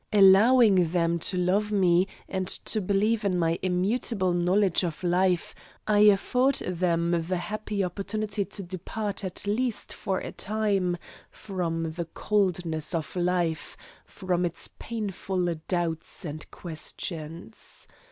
Allowing them to love me and to believe in my immutable knowledge of life, I afford them the happy opportunity to depart at least for a time from the coldness of life, from its painful doubts and questions.